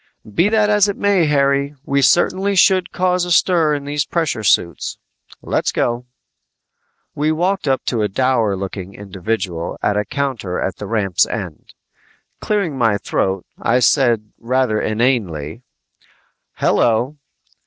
"Be that as it may, Harry, we certainly should cause a stir in these pressure suits. Let's go!" We walked up to a dour looking individual at a counter at the ramp's end. Clearing my throat, I said rather inanely, "Hello!"